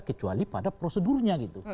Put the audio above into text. kecuali pada prosedurnya gitu